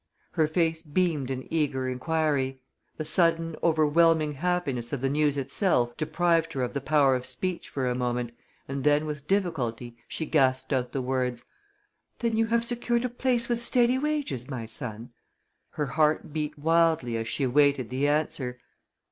Her face beamed an eager inquiry. The sudden, overwhelming happiness of the news itself deprived her of the power of speech for a moment, and then with difficulty she gasped out the words: "Then you have secured a place with steady wages, my son?" Her heart beat wildly as she awaited the answer.